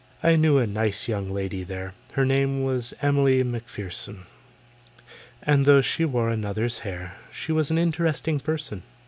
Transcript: I knew a nice young lady there, Her name was EMILY MACPHERSON, And though she wore another's hair, She was an interesting person.